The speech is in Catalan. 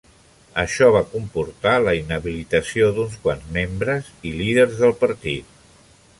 Això va comportar la inhabilitació d'uns quants membres i líders del partit.